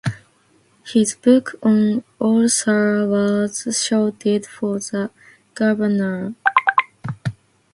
His book on Osler was shorted for the Governor General's Award.